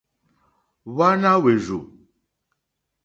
Hwáná hwèrzù.